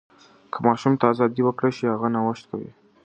که ماشوم ته ازادي ورکړل شي، هغه نوښت کوي.